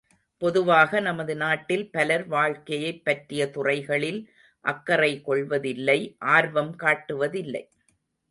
பொதுவாக நமது நாட்டில் பலர் வாழ்க்கையைப் பற்றிய துறைகளில் அக்கறை கொள்வதில்லை ஆர்வம் காட்டுவதில்லை.